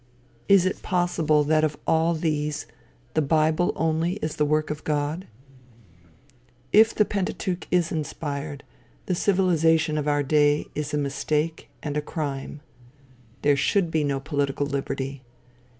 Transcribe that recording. Is it possible that of all these, the bible only is the work of God? If the Pentateuch is inspired, the civilization of of our day is a mistake and crime. There should be no political liberty.